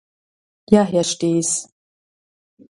Ja, Herr Staes.